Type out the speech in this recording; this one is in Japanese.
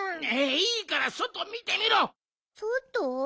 いいからそとみてみろ！そと？